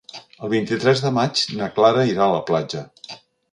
El vint-i-tres de maig na Clara irà a la platja.